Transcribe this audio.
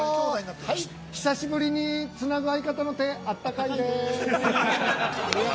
◆久しぶりにつなぐ相方の手、あったかいです。